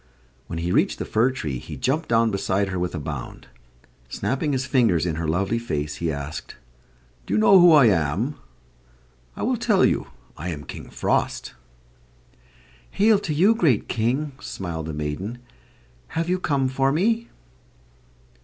When he reached the fir tree he jumped down beside her with a bound. Snapping his fingers in her lovely face, he asked: "Do you know who I am? I will tell you. I am King Frost." "Hail to you, great King!" smiled the maiden. "Have you come for me?"